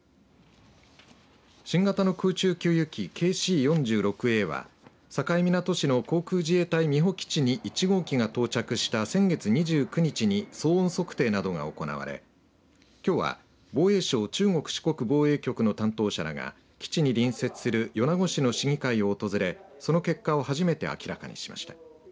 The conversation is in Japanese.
新型の空中給油機、ＫＣ４６Ａは境港市の航空自衛隊美保基地に１号機が到着した先月２９日に騒音測定などが行われきょうは防衛省中国四国防衛局の担当者らが基地に隣接する米子市の市議会を訪れその結果を初めて明らかにしました。